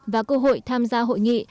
và cơ hội tham gia hội nghị